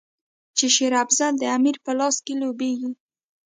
چې شېر افضل د امیر په لاس کې لوبیږي.